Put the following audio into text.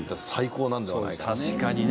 確かにね。